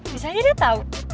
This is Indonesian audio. bisa aja dia tau